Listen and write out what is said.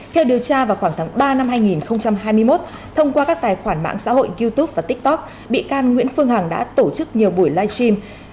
theo điều tra vào khoảng tháng ba năm hai nghìn hai mươi một thông qua các tài khoản mạng xã hội youtube và tiktok bị can nguyễn phương hằng đã tổ chức nhiều buổi live stream